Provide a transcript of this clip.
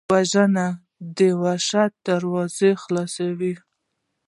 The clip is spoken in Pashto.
وژنه د وحشت دروازه خلاصوي